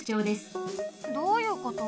どういうこと？